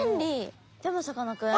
でもさかなクン。